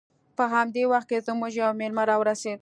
په همدې وخت کې زموږ یو میلمه راورسید